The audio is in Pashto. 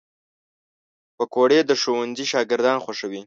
پکورې د ښوونځي شاګردان خوښوي